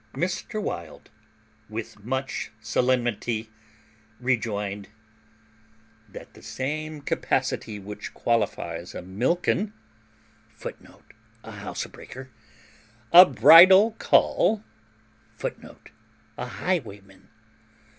Mr. Wild with much solemnity rejoined, "That the same capacity which qualifies a mill ken,[Footnote: A housebreaker.] a bridle cull,[Footnote: A highwayman.